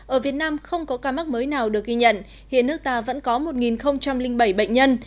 ở việt nam không có ca mắc mới nào được ghi nhận hiện nước ta vẫn có một bảy bệnh nhân